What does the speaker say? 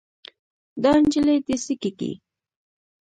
دا نجلۍ دې څه کيږي؟